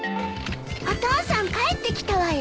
お父さん帰ってきたわよ。